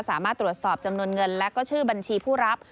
สามารถตรวจสอบจำนวนเงินและก็ชื่อบัญชีผู้รับ